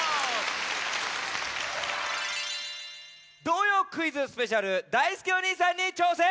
「童謡クイズスペシャルだいすけお兄さんに挑戦！」。